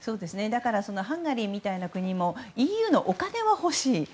だからハンガリーみたいな国もＥＵのお金は欲しい。